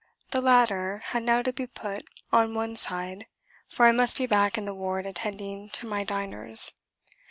The latter had now to be put on one side, for I must be back in the ward attending to my diners.